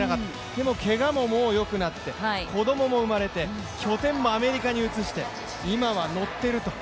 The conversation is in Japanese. でもけがももうよくなって子供も生まれて拠点もアメリカに移して今はノッていると。